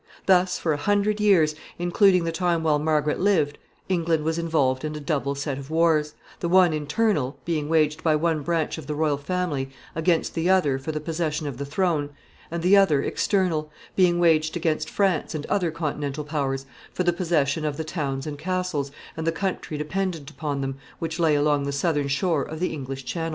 Thus, for a hundred years, including the time while Margaret lived, England was involved in a double set of wars the one internal, being waged by one branch of the royal family against the other for the possession of the throne, and the other external, being waged against France and other Continental powers for the possession of the towns and castles, and the country dependent upon them, which lay along the southern shore of the English Channel.